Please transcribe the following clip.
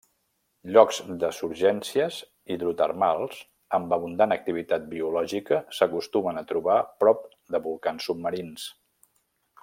Llocs de surgències hidrotermals amb abundant activitat biològica s'acostumen a trobar prop de volcans submarins.